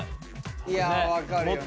いや分かるよね。